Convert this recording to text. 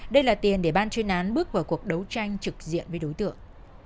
đây là tiền để ban chuyên án bước vào cuộc đấu tranh trực diện với đối tượng